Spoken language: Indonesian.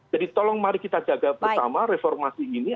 jadi tolong mari kita jaga pertama reformasi ini